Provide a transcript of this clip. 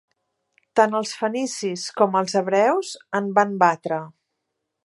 Tant els fenicis com els hebreus en van batre.